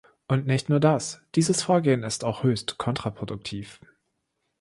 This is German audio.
Und nicht nur das, dieses Vorgehen ist auch höchst kontraproduktiv.